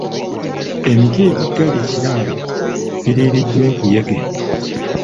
Emiti egiggala ekiraalo giriiriddwa enkuyege.